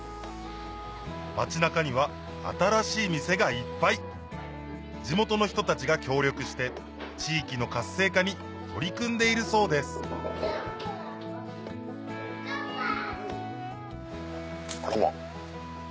町中には新しい店がいっぱい地元の人たちが協力して地域の活性化に取り組んでいるそうですあらま。